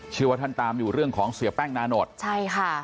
เชื่อว่าท่านตามอยู่เรื่องของเสียแป้งนานดใช่ค่ะ